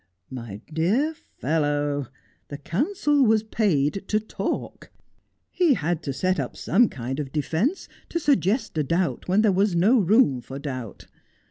' My dear fellow, the counsel was paid to talk. He had to set Guilty 63 up some kind of defence, to suggest a doubt where there was no room for doubt.